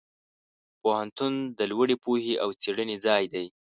پوهنتون د لوړې پوهې او څېړنې ځای دی.